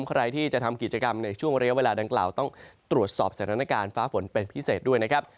ใครที่จะทำกิจกรรมในช่วงระยะเวลาดังกล่าวต้องตรวจสอบสถานการณ์ฟ้าฝนเป็นพิเศษด้วยนะครับ